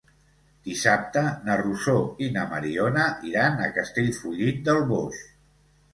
Dissabte na Rosó i na Mariona iran a Castellfollit del Boix.